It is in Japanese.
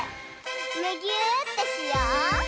むぎゅーってしよう！